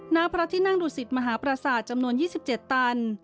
ณพระที่นั่งดุสิตมหาประสาทจำนวน๒๗ตัน